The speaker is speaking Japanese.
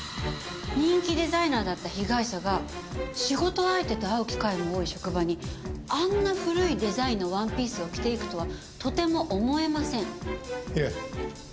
人気デザイナーだった被害者が仕事相手と会う機会の多い職場にあんな古いデザインのワンピースを着ていくとはとても思えません。